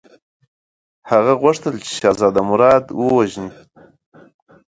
هغه غوښتل چې شهزاده مراد ووژني.